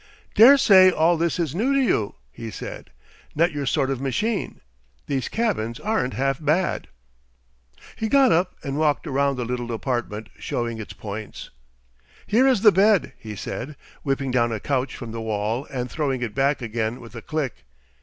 "Daresay all this is new to you," he said; "not your sort of machine. These cabins aren't half bad." He got up and walked round the little apartment, showing its points. "Here is the bed," he said, whipping down a couch from the wall and throwing it back again with a click.